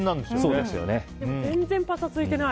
全然パサついてない。